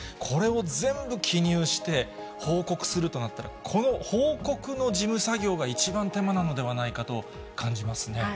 これを全部記入して、報告するとなったら、この報告の事務作業が、一番手間なのではないかと感じますね。